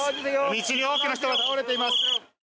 道に多くの人が倒れています。